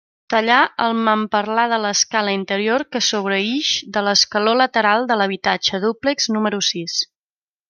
Tallar el mamperlà de l'escala interior que sobreïx de l'escaló lateral de l'habitatge dúplex número sis.